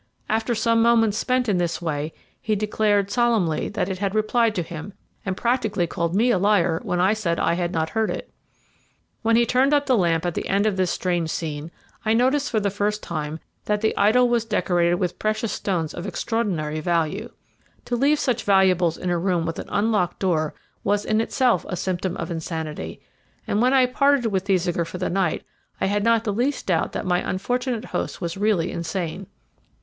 After some moments spent in this way he declared solemnly that it had replied to him, and practically called me a liar when I said I had not heard it. "When he turned up the lamp at the end of this strange scene, I noticed for the first time that the idol was decorated with precious stones of extraordinary value. To leave such valuables in a room with an unlocked door was in itself a symptom of insanity, and when I parted with Thesiger for the night I had not the least doubt that my unfortunate host was really insane.